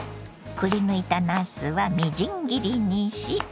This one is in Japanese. くりぬいたなすはみじん切りにし。